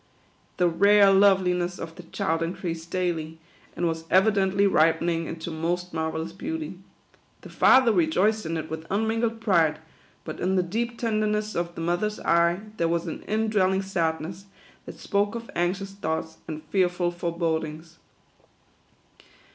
The rare loveliness of the child increased daily, and was evidently ripening into most marvellous beauty. The father rejoiced in it with unmingled pride ; but in the deep tenderness of the mother's eye there was an in dwelling sadness, that spoke of anxious thoughts and fearful forebodings.